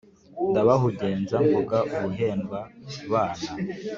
Ndabahugenza mvuga ubuhendwabana